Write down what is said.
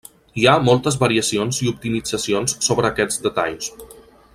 Hi ha moltes variacions i optimitzacions sobre aquests detalls.